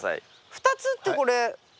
２つってこれ。